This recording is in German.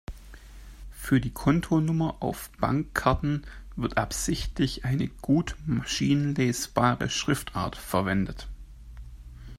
Für die Kontonummer auf Bankkarten wird absichtlich eine gut maschinenlesbare Schriftart verwendet.